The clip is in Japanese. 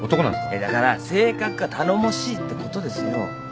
いやだから性格が頼もしいってことですよ。